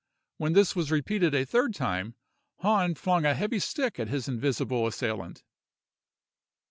When this was repeated a third time, Hahn flung a heavy stick at his invisible assailant.